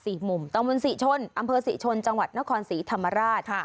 มุมตำบลศรีชนอำเภอศรีชนจังหวัดนครศรีธรรมราชค่ะ